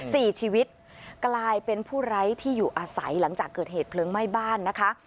สี่ชีวิตกลายเป็นผู้ไร้ที่อยู่อาศัยหลังจากเกิดเหตุเพลิงไหม้บ้านนะคะ